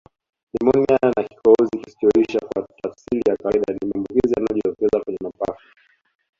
Nimonia na kikohozi kisichoisha kwa tafsiri ya kawaida ni maambukizi yanayojitokeza kwenye mapafu